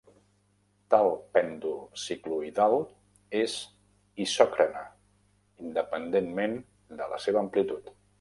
Tal pèndol cicloïdal és isòcrona, independentment de la seva amplitud.